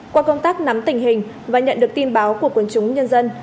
qua công tác nắm tình hình và nhận được tin báo của quân chúng nhân dân